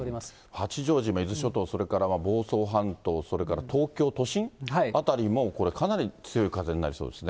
八丈島、伊豆諸島、それから房総半島、それから東京都心辺りも、これかなり強い風になりそうですね。